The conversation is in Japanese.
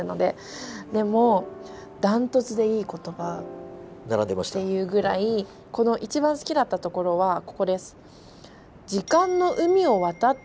でもダントツで良い言葉っていうぐらいこの一番好きだったところはここです。